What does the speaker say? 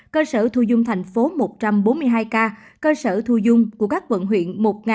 cơ sở thu dung thành phố một trăm bốn mươi hai ca cơ sở thu dung của các quận huyện